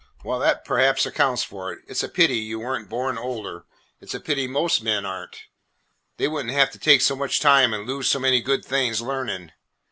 Well, that perhaps accounts for it. It 's a pity you were n't born older. It 's a pity most men are n't. They would n't have to take so much time and lose so many good things learning.